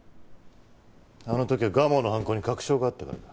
あの時は蒲生の犯行に確証があったからだ。